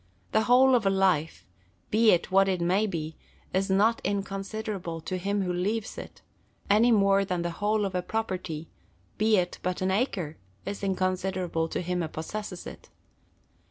The whole of a life, be it what it may be, is not inconsiderable to him who leaves it ; any more than the whole of a property, be it but an acre, is incon siderable to him who possesses it.